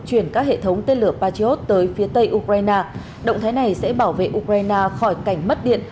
chuyển các hệ thống tên lửa patriot tới phía tây ukraine động thái này sẽ bảo vệ ukraine khỏi cảnh mất điện